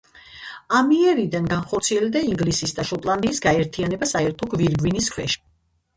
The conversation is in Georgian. ამიერიდან განხორციელდა ინგლისის და შოტლანდიის გაერთიანება საერთო გვირგვინის ქვეშ.